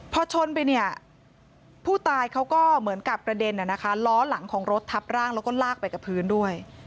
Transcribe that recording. พอชนไปเนี่ยผู้ตายเขาก็เหมือนกับกระเด็นล้อหลังของรถทับร่างแล้วก็ลากไปกับพื้นด้วย